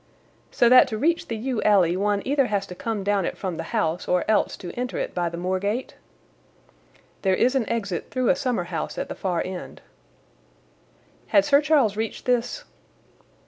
"So that to reach the yew alley one either has to come down it from the house or else to enter it by the moor gate?" "There is an exit through a summer house at the far end." "Had Sir Charles reached this?"